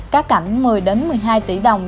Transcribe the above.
cá cảnh một mươi một mươi hai tỷ đồng